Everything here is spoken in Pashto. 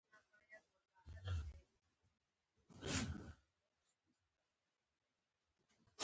آیا دا د نړۍ ګرمې سیمې نه دي؟